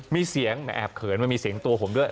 มีเสียงแหมแอบเขินมันมีเสียงตัวผมด้วย